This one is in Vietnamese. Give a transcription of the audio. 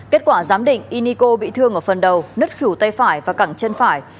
kết quả giám định iniko bị thương ở phần đầu nứt khỉu tay phải và cẳng chân phải